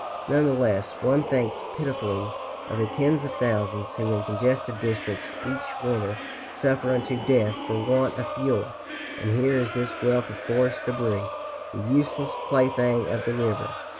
Nevertheless, one thinks pitifully of the tens of thousands who, in congested districts, each winter suffer unto death for want of fuel; and here is this wealth of forest debris, the useless plaything of the river.